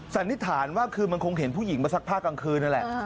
สันนิษฐานว่าคือมันคงเห็นผู้หญิงมาซักผ้ากลางคืนนั่นแหละ